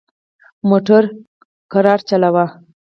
موټر ورو چلوئ